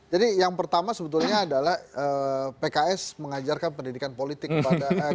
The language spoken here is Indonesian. jadi yang pertama sebetulnya adalah pks mengajarkan pendidikan politik kepada